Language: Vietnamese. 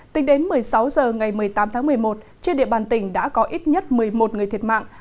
tính đến một mươi sáu h ngày một mươi tám tháng một mươi một trên địa bàn tỉnh đã có ít nhất một mươi một người thiệt mạng